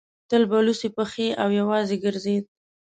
تل به لڅې پښې او یوازې ګرځېد.